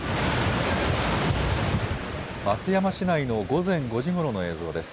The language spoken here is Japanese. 松山市内の午前５時ごろの映像です。